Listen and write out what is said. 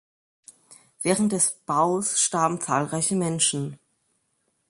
Während des Baus starben zahlreiche Menschen.